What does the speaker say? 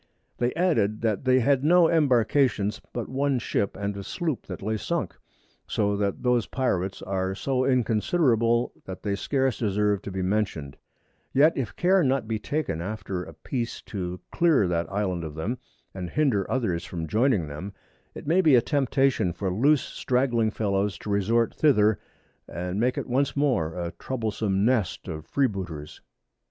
They added, that they had no Embarkations, but one Ship, and a Sloop that lay sunk; so that those Pirates are so inconsiderable, that they scarce deserve to be mentioned; yet if Care be not taken after a Peace to clear that Island of them, and hinder others from joining them, it may be a Temptation for loose stragling Fellows to resort thither, and make it once more a troublesome Nest of Free booters.